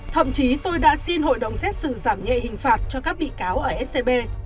thậm chí tôi đã xin hội đồng xét xử giảm nhẹ hình phạt cho các bị cáo ở scb